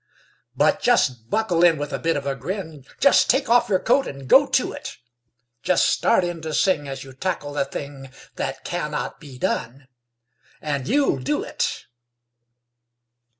But just buckle in with a bit of a grin, Just take off your coat and go to it; Just start in to sing as you tackle the thing That "cannot be done," and you'll do it.